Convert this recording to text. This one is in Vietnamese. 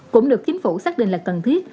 cũng được chính phủ xác định là cần thiết